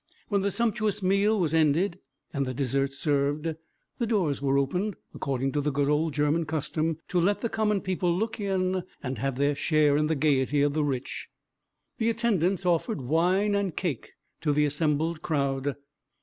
When the sumptuous meal was ended, and the dessert served, the doors were opened according to the good old German custom to let the common people look in and have their share in the gaiety of the rich. The attendants offered wine and cake to the assembled crowd.